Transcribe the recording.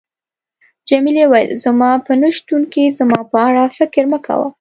جميلې وويل: زما په نه شتون کې زما په اړه فکر مه کوه.